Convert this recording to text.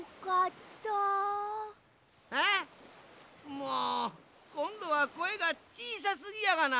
もうこんどはこえがちいさすぎやがな。